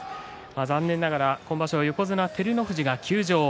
残念ながら今場所は横綱照ノ富士が休場。